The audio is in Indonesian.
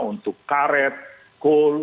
untuk karet coal